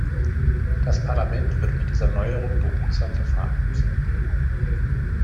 Das Parlament wird mit dieser Neuerung behutsam verfahren müssen.